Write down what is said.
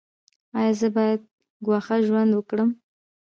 ایا زه باید ګوښه ژوند وکړم؟